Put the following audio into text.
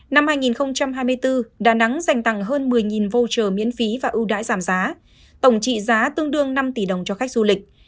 năm hai nghìn hai mươi bốn đà nẵng dành tặng hơn một mươi vô trợ miễn phí và ưu đãi giảm giá tổng trị giá tương đương năm tỷ đồng cho khách du lịch